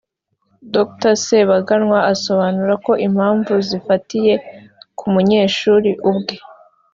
Dr Sebaganwa asobanura ko impamvu zifatiye ku munyeshuri ubwe